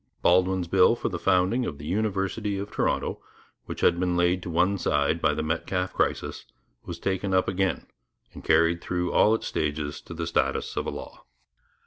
Baldwin's bill for the founding of the University of Toronto, which had been laid to one side by the Metcalfe crisis, was taken up again and carried through all its stages to the status of a law.